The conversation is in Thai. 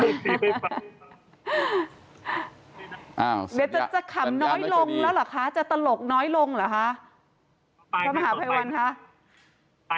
นรจะคำน้อยลงแล้วหรอค่ะจะตลกน้อยลงอ่ะฮะ